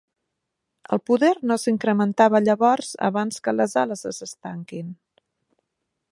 El poder no s'incrementava llavors abans que les ales es estanquin.